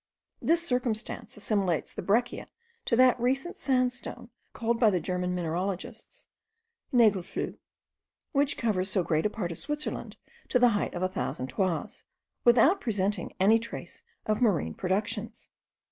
This circumstance assimilates the breccia to that recent sandstone called by the German mineralogists nagelfluhe, which covers so great a part of Switzerland to the height of a thousand toises, without presenting any trace of marine productions.